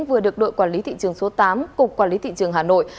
vừa được đội quản lý thị trường số tám cục quản lý thị trường hà nội